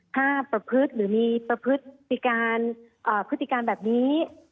ถ้าประพืชหรือมีประพฤติการแบบนี้